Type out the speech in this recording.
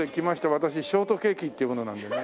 私ショートケーキっていう者なんでね。